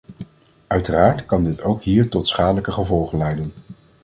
Uiteraard kan dit ook hier tot schadelijke gevolgen leiden.